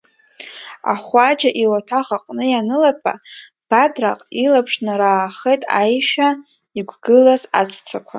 Ахәаџьа иуаҭах аҟны ианылатәа, Бадраҟ илаԥш нараахеит аишәа иқәгылаз аҵәцақәа.